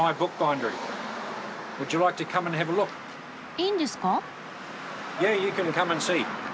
いいんですか？